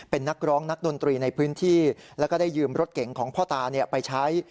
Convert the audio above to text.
เป็นนักร้องนักดนตรีในพื้นที่แล้วก็ได้ยืมรถเก๋งของพ่อตาไปใช้